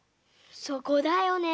そこだよね。